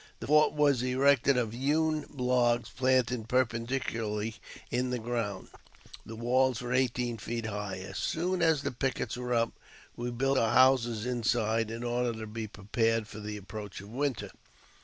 The fort was erected of hewn logs planted perpendicularly in the ground ; the walls were eighteen feet high. As soon as the pickets were up, we built our houses inside, in order to be prepared for the approach of winter.